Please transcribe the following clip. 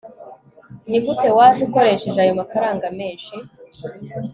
nigute waje ukoresheje ayo mafaranga menshi